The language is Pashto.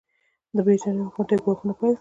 د برټانیې حکومت ته یې ګواښونه پیل کړل.